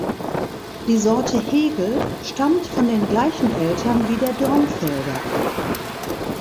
Die Sorte Hegel stammt von den gleichen Eltern wie der Dornfelder ab.